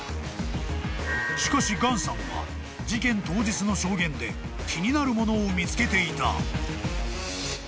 ［しかしガンさんは事件当日の証言で気になるものを見つけていた］